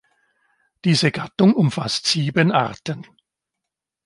Diese Gattung umfasst sieben Arten.